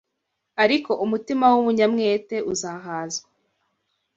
Ariko umutima w’umunyamwete uzahazwa